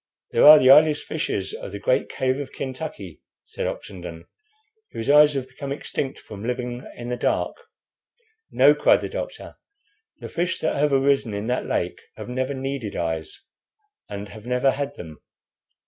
'" "There are the eyeless fishes of the great cave of Kentucky," said Oxenden, "whose eyes have become extinct from living in the dark." "No," cried the doctor; "the fish that have arisen in that lake have never needed eyes, and have never had them."